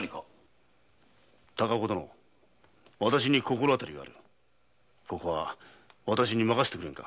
高岡殿私に心当たりがあるここは私に任せてくれんか。